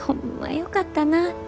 よかったなぁて。